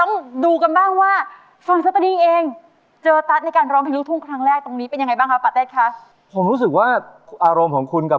งานแต่งคนจนก็มีแต่หอยยิ้มป่นน้ำ